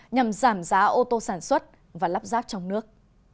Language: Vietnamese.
nhằm giảm giá ô tô sản xuất và lắp ráp trong nước